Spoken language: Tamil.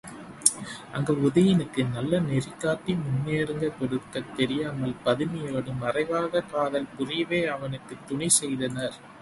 அங்கே உதயணனுக்கு நல்ல நெறி காட்டி முன்னேற்றங் கொடுக்கத் தெரியாமல் பதுமையோடு மறைவாகக் காதல் புரியவே அவனுக்குத் துணைசெய்தனர்.